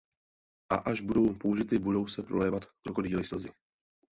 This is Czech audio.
A až budou použity, budou se prolévat krokodýlí slzy.